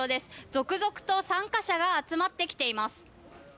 続々と参加者が集まってきています。